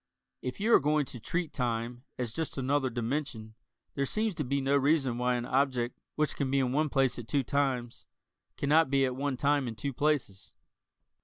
If you are going to treat time as just another dimension, there seems to be no reason why an object which can be in one place at two times cannot be at one time in two places.